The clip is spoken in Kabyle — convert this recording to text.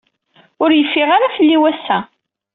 Ur yeffiɣ ara fell-i wass-a.